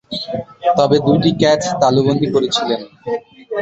তবে দুইটি ক্যাচ তালুবন্দী করেছিলেন।